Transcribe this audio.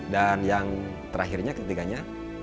dan yang terakhirnya ketiganya